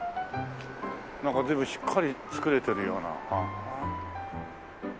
なんか随分しっかり作れてるような。